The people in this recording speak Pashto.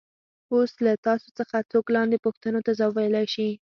اوس له تاسو څخه څوک لاندې پوښتنو ته ځواب ویلای شي.